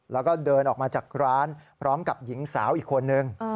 แล้วก็เดินออกมาจากร้านพร้อมกับหญิงสาวอีกคนนึง